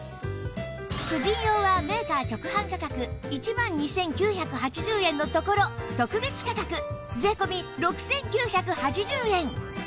婦人用はメーカー直販価格１万２９８０円のところ特別価格税込６９８０円